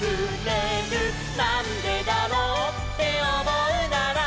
「なんでだろうっておもうなら」